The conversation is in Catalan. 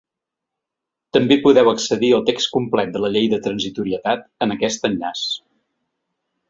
També podeu accedir al text complet de la llei de transitorietat en aquest enllaç.